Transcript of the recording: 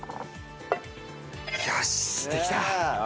よしできた。